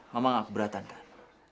ma mama gak keberatan kan